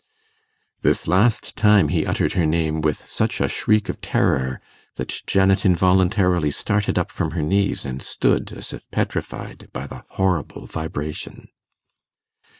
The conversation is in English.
This last time he uttered her name with such a shriek of terror, that Janet involuntarily started up from her knees, and stood as if petrified by the horrible vibration.